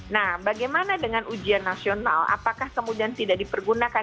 nah bagaimana dengan ujian nasional apakah kemudian tidak dipergunakan